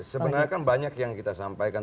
sebenarnya kan banyak yang kita sampaikan